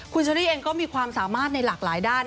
คุณเชอรี่เองก็มีความสามารถในหลากหลายด้าน